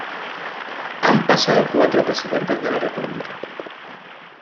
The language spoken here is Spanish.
Han pasado cuatro presidentes de la República".